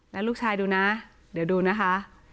แล้วลูกชายดูนะเดี๋ยวดูนะคะ